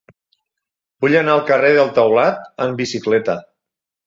Vull anar al carrer del Taulat amb bicicleta.